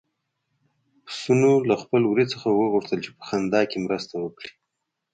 پسونو له خپل وري څخه وغوښتل چې په خندا کې مرسته وکړي.